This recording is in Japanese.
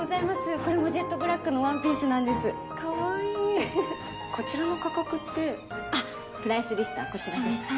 これもジェットブラックのワンピースなんですかわいいこちらの価格ってあっプライスリストはこちらです人見さん